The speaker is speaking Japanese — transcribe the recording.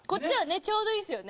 ちょうどいいですよね